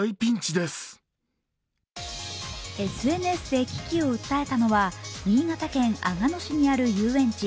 ＳＮＳで危機を訴えたのは新潟県阿賀野にある遊園地